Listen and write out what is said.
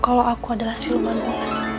kalo aku adalah si rumah kota